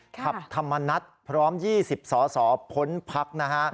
คับธรรมนัฏพร้อม๒๐สอสอผลพลักษณ์